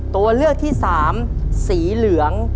ตัวเลือกที่สามสีเหลือง